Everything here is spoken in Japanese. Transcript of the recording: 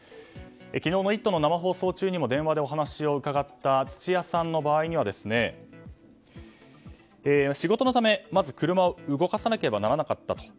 昨日の「イット！」の生放送中にも電話でお話を伺った土屋さんの場合は仕事のため、まず車を動かさなければならなかったと。